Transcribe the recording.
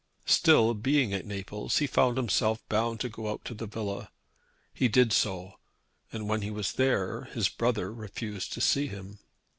Still being at Naples he found himself bound to go out to the villa. He did so, and when he was there his brother refused to see him.